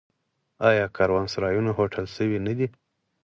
آیا کاروانسرایونه هوټل شوي نه دي؟